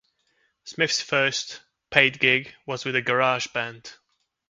Smith's first "paid gig" was with a garage band.